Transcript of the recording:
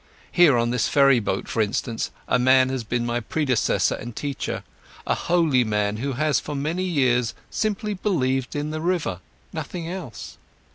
Here on this ferry boat, for instance, a man has been my predecessor and teacher, a holy man, who has for many years simply believed in the river, nothing else.